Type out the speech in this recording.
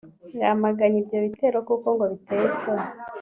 yamganye ibyo bitero kuko ngo biteye isoni